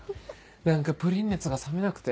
何かプリン熱が冷めなくて。